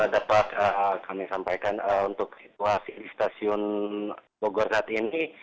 dapat kami sampaikan untuk situasi di stasiun bogor saat ini